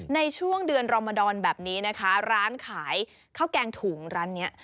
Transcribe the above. ในช่วงเดือนรมดรแบบนี้นะคะร้านขายข้าวแกงถุงร้านนี้